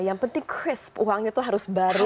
yang penting crisp uangnya tuh harus baru